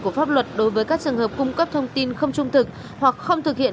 của pháp luật đối với các trường hợp cung cấp thông tin không trung thực hoặc không thực hiện